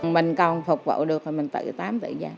mình còn phục vụ được thì mình tự tám tự giác